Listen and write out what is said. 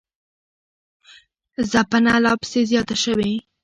ځپنه لاپسې زیاته شوې